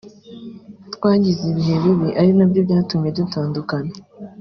twagize ibihe bibi ari nabyo byatumye dutandukana”